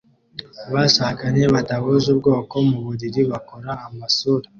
Abashakanye badahuje ubwoko muburiri bakora amasura